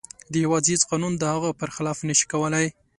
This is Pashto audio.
د هیواد هیڅ قانون د هغه پر خلاف نشي کولی.